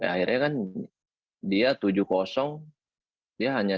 akhirnya kan dia tujuh dia hanya sampai delapan aja saya lima belas delapan